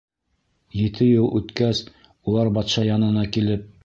Ете йыл үткәс, улар батша янына килеп: